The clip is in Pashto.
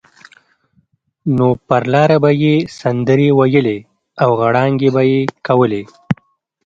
نو پر لاره به یې سندرې ویلې او غړانګې به یې کولې.